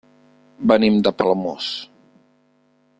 Venim de Palamós.